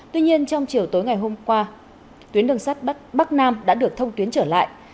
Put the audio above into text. tuy nhiên trong chiều tối ngày hôm qua tuyến đường sát bắc nam đã được thông tuyến trở lại